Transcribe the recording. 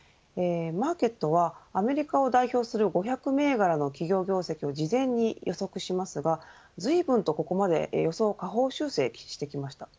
マーケットはアメリカを代表する５００銘柄の企業業績を事前に予測しますがずいぶんとここまで予想を下方修正してきました。